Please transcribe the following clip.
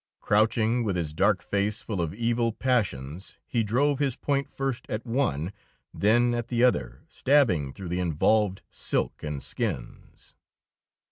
Crouching, with his dark face full of evil passions, he drove his point first at one, then at the other, stabbing through the involved silk and skins.